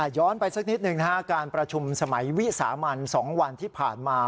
ย้อนไปสักนิดหนึ่งนะฮะการประชุมสมัยวิสามัน๒วันที่ผ่านมา